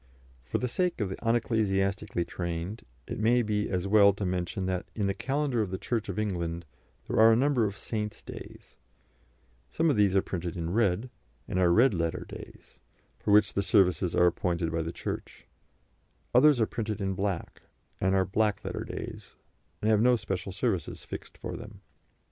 For the sake of the unecclesiastically trained it may be as well to mention that in the Calendar of the Church of England there are a number of Saints' Days; some of these are printed in red, and are Red Letter Days, for which services are appointed by the Church; others are printed in black, and are Black Letter Days, and have no special services fixed for them.